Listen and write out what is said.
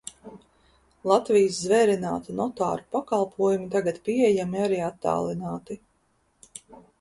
Latvijas zvērinātu notāru pakalpojumi tagad pieejami arī attālināti.